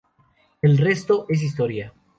El resto es "Historia".